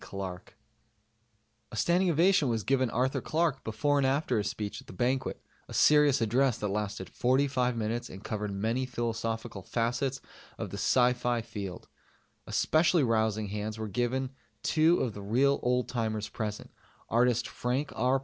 Clarke. A standing ovation was given Arthur Clarke before and after his speech at the Banquet, a serious address that lasted forty five minutes and covered many philosophical facets of the s.f. field. Especially rousing hands were given two of the real old timers present, artist Frank R.